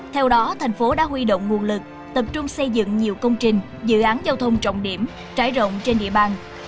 theo đó tp hcm đã huy động nguồn lực tập trung xây dựng nhiều công trình dự án giao thông trọng điểm trái rộng trên địa bàn